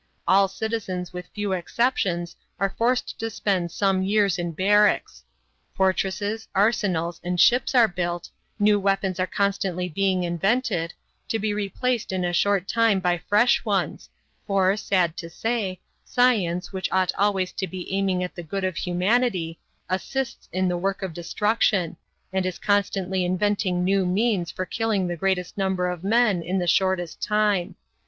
All citizens with few exceptions are forced to spend some years in barracks. Fortresses, arsenals, and ships are built, new weapons are constantly being invented, to be replaced in a short time by fresh ones, for, sad to say, science, which ought always to be aiming at the good of humanity, assists in the work of destruction, and is constantly inventing new means for killing the greatest number of men in the shortest time.